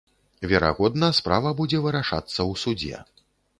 Верагодна, справа будзе вырашацца ў судзе.